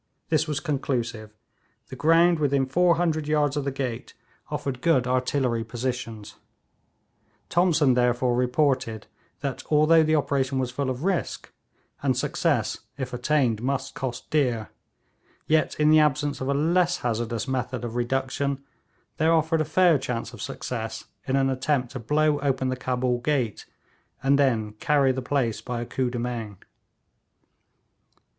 This was conclusive. The ground within 400 yards of the gate offered good artillery positions. Thomson therefore reported that although the operation was full of risk, and success if attained must cost dear, yet in the absence of a less hazardous method of reduction there offered a fair chance of success in an attempt to blow open the Cabul gate, and then carry the place by a coup de main.